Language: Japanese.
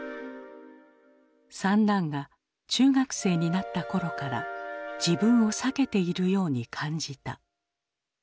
三男が中学生になった頃から自分を避けているように感じた。